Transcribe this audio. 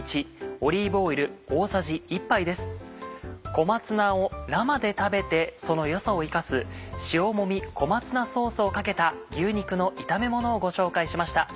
小松菜を生で食べてその良さを生かす塩もみ小松菜ソースをかけた牛肉の炒めものをご紹介しました。